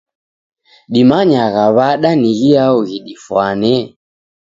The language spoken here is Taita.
Dimanyagha w'ada ni ghiao ghidifwane?